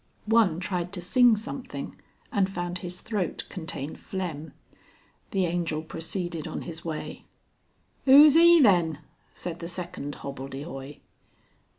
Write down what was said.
One tried to sing something and found his throat contained phlegm. The Angel proceeded on his way. "Who's e then?" said the second hobbledehoy.